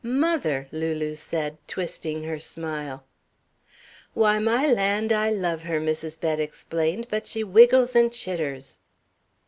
"Mother!" Lulu said, twisting her smile. "Why, my land, I love her," Mrs. Bett explained, "but she wiggles and chitters."